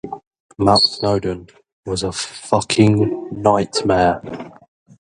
However, locals pronounce it "Artsun".